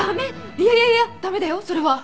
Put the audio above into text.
いやいやいや駄目だよそれは！